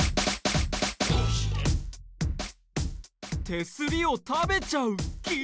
手すりを食べちゃう木？